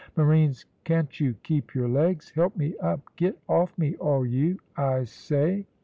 Marines, can't you keep your legs? Help me up. Get off me, all you, I say."